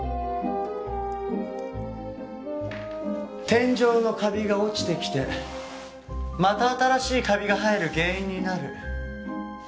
天井のカビが落ちてきてまた新しいカビが生える原因になる。